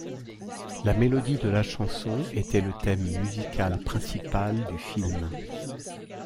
La mélodie de la chanson était le thème musical principal du film.